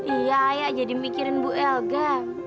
iya ayah jadi mikirin bu elga